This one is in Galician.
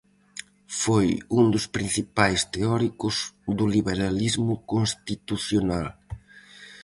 Foi un dos principais teóricos do liberalismo constitucional.